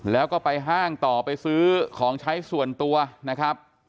แล้วก็ไปห้างต่อไปซื้อของใช้ส่วนตัวนะครับ